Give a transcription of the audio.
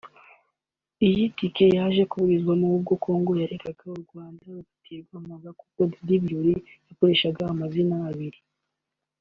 Iyi tike yaje kuburizwamo ubwo Congo yaregaga u Rwanda rugaterwa mpaga kuko Dady Birori yakoreshaga amazina abiri